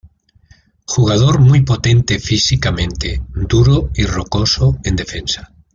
Jugador muy potente físicamente, duro y rocoso en defensa.